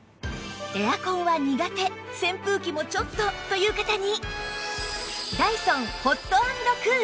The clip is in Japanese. エアコンは苦手扇風機もちょっとという方に